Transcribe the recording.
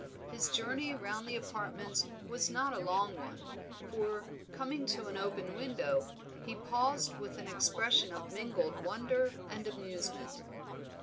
His journey round the apartments was not a long one, for, coming to an open window, he paused with an expression of mingled wonder and amusement.